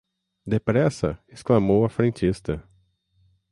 Depressa! Exclamou a frentista